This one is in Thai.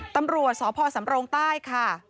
ตำรวจสพสำรงใต้ค่ะ